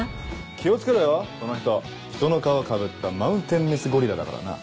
気を付けろよその人人の皮かぶったマウンテンメスゴリラだからな。